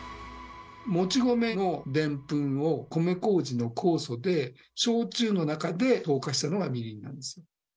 もち米のでんぷんを米こうじの酵素で焼酎の中で糖化したのがみりんなんですよ。